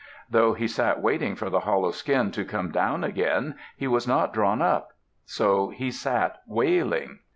Though he sat waiting for the hollow skin to come down again, he was not drawn up. So he sat wailing.